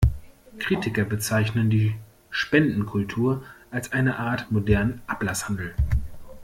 Kritiker bezeichnen die Spendenkultur als eine Art modernen Ablasshandel.